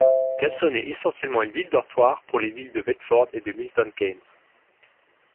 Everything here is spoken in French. Kempston est essentiellement une ville-dortoir pour les villes de Bedford et de Milton Keynes.